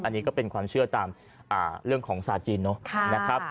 อันนี้ก็เป็นความเชื่อตามเรื่องของศาสตร์จีนเนอะนะครับ